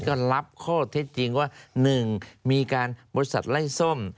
ก็รับข้อเท็จจริงว่า๑มีการบริษัทไล่ส้ม